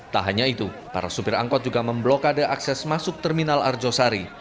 tak hanya itu para supir angkot juga memblokade akses masuk terminal arjosari